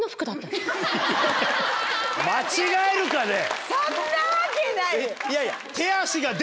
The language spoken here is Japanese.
間違えるかね？